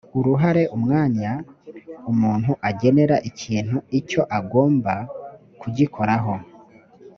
uruhare umwanya umuntu agenera ikintu icyo agomba kugikoraho